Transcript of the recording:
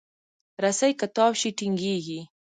رسۍ که تاو شي، ټینګېږي.